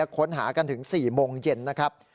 ค้นหากันถึง๔โมงเย็นนะครับ